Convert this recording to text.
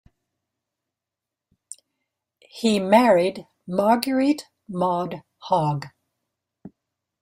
He married Marguerite Maud Hogg.